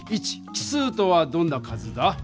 奇数とはどんな数だ？